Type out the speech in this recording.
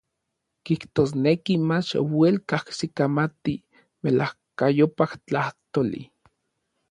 Kijtosneki mach uel kajsikamati n melajkayopaj tlajtoli.